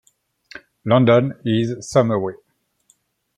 London is some away.